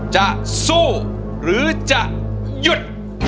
จะสู้หรือจะหยุด